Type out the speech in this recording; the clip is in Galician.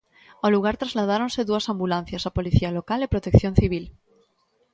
Ao lugar trasladáronse dúas ambulancias, a Policía Local e Protección Civil.